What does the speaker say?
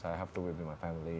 setiap hari gue harus setiap hari